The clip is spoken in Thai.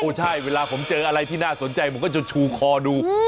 ใช่เวลาผมเจออะไรที่น่าสนใจผมก็จะชูคอดู